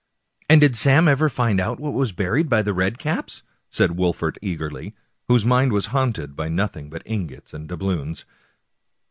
" And did Sam never find out what was buried by the red caps ?" said Wolfert eagerly, w^hose mind was haunted by nothing but ingots and doubloons.